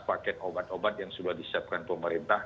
paket obat obat yang sudah disiapkan pemerintah